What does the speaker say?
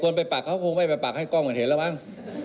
ควรไปปักคิดว่าเขาไม่ไปปักให้กล้องมันเห็นละมั้ง